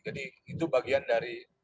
jadi itu bagian dari